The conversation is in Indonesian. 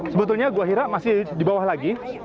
sebetulnya gue kira masih di bawah lagi